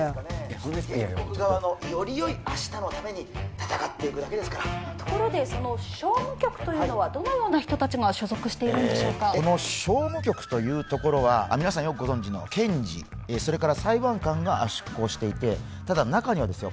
そんな一気により良い明日のために戦っていくだけですからところでその訟務局というのはどのような人達が所属しているんでしょうかこの訟務局というところは皆さんよくご存じの検事それから裁判官が出向していてただ中にはですよ